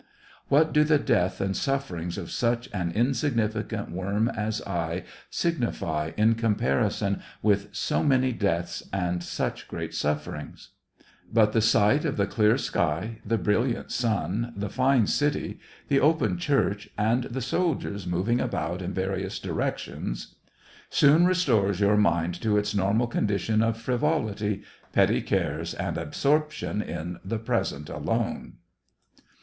" What do the death and sufferings of such an insignificant worm as I signify in comparison with so many deaths and such great sufferings }" But the sight of the clear sky, the brilliant sun, the fine city, the open church, and the soldiers moving about in various directions soon restores your mind to its normal condition of frivolit)^, petty cares, and absorption in the present alone.